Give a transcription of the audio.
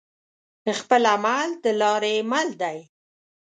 خپل عمل دلاری مل دی